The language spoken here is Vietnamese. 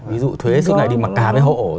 ví dụ thuế xuống này đi mặc cá với hộ